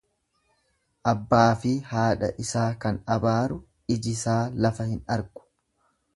Abbaafi haadha isaa kan abaaru ijisaa lafa hin argu.